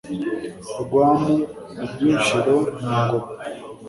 Rwamu rw' Inshiro na Ngoma